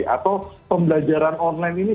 atau pembelajaran online ini